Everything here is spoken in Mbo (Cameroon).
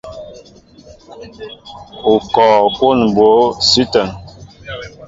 U kɔɔ kwón mbǒ sʉ́ ítə́ŋ?